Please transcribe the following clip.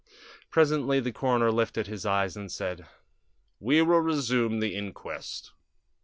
Presently the coroner lifted his eyes and said: "We will resume the inquest."